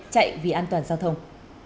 chạy vì an toàn giao thông